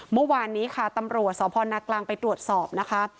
เมื่อวานนี้ค่ะตำรวจสพนกลางไปตรวจสอบนะคะ